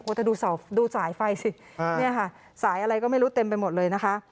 กว่าถ้าดูสายไฟสิสายอะไรก็ไม่รู้เต็มไปหมดเลยนะคะ